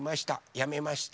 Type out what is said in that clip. やめました。